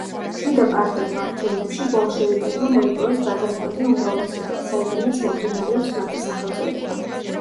შიდა პარტიულ არჩევნებში ბოლშევიკებმა მოიპოვეს გადამწყვეტი უმრავლესობა საიდანაც მომდინარეობს მათი სახელწოდება.